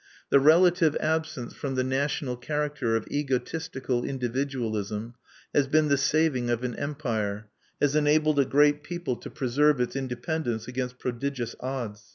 The relative absence from the national character of egotistical individualism has been the saving of an empire; has enabled a great people to preserve its independence against prodigious odds.